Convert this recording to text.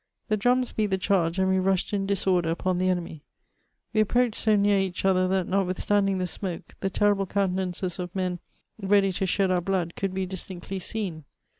The drums beat the charge, and we rushed in disorder upon the enemy. We approached so near each other that, not withstandmg the smoke, the terrible countenances of men ready to shed our blood could be distinctly seen.